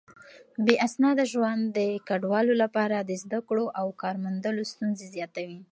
بې اسناده ژوند د کډوالو لپاره د زده کړو او کار موندلو ستونزې زياتوي.